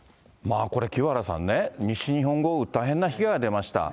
これ、清原さんね、西日本豪雨、大変な被害が出ました。